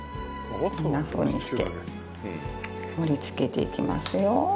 こんなふうにして盛り付けていきますよ。